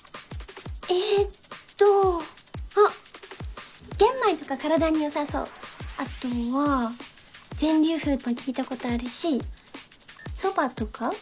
えっとあっ玄米とか体によさそうあとは全粒粉も聞いたことあるしそばとか？